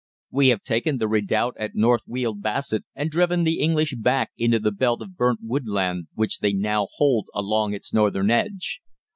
We have taken the redoubt at North Weald Basset and driven the English back into the belt of burnt woodland, which they now hold along its northern edge.